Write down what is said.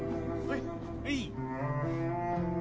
はい